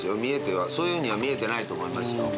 そういうふうには見えてないと思いますよ。